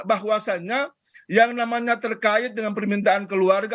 bahwasanya yang namanya terkait dengan permintaan keluarga